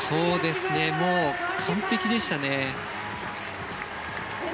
もう、完璧でしたね。